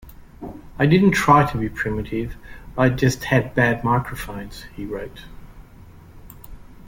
"I didn't try to be primitive, I just had bad microphones", he wrote.